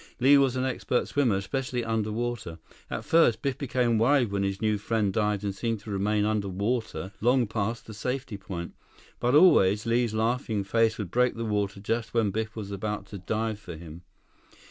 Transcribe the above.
Li was an expert swimmer, especially under water. At first, Biff became worried when his new friend dived and seemed to remain under water long past the safety point. But always, Li's laughing face would break the water just when Biff was about to dive for him.